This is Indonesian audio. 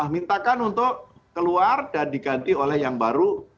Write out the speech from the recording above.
mintakan untuk keluar dan diganti oleh yang baru